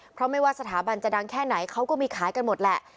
เพราะไม่ว่าสถาบันจะดังแค่ไหนเขาก็มีขายกันหมดแหละ